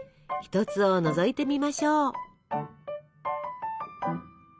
一つをのぞいてみましょう。